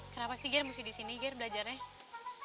kenapa sih gir mesti di sini geer belajarnya